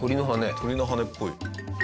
鳥の羽根っぽい。